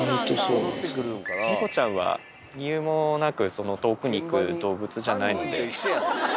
猫ちゃんは理由もなく遠くに行く動物じゃないので。